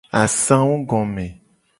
Asangugome.